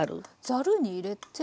ざるに入れて。